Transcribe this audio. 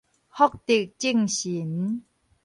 福德正神